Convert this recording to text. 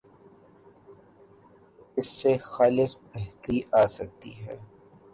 تو اس سے خاصی بہتری آ سکتی ہے۔